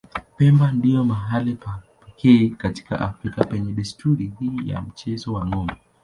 Pemba ndipo mahali pa pekee katika Afrika penye desturi hii ya mchezo wa ng'ombe.